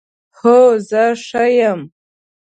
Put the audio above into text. هو، زه ښه یم